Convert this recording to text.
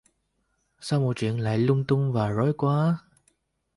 Sao mọi chuyện lại lung tung và rối quá